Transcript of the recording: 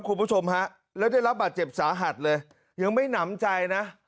คุณผู้ชมฮะแล้วได้รับบาดเจ็บสาหัสเลยยังไม่หนำใจนะ